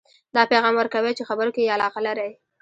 دا پیغام ورکوئ چې خبرو کې یې علاقه لرئ